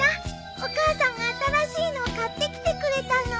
お母さんが新しいのを買ってきてくれたの。